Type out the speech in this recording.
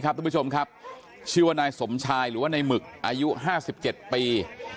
ทุกผู้ชมครับชื่อว่านายสมชายหรือว่าในหมึกอายุ๕๗ปี